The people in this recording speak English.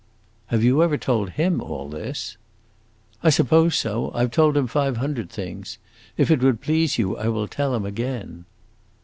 "Have you ever told him all this?" "I suppose so; I 've told him five hundred things! If it would please you, I will tell him again."